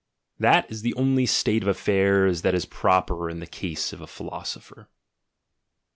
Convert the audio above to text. That is the only state of affairs that is proper in the case of a philoso pher.